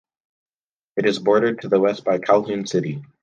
It is bordered to the west by Calhoun City.